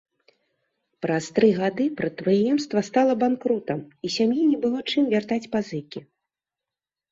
Праз тры гады прадпрыемства стала банкрутам, і сям'і не было чым вяртаць пазыкі.